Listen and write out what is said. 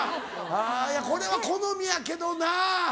あこれは好みやけどな。